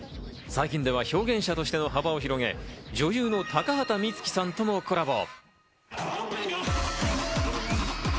最近では表現者としての幅を広げ、女優の高畑充希さんともコラボ。